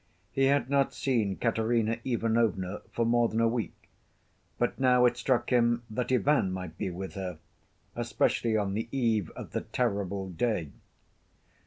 He had not seen Katerina Ivanovna for more than a week. But now it struck him that Ivan might be with her, especially on the eve of the terrible day.